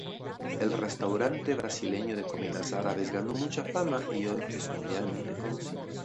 El restaurante Brasileño de comidas árabes ganó mucha fama y hoy es mundialmente conocido.